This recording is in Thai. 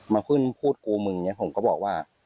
มาพึ่งพูดกูมึงเนี่ยผมก็บอกว่า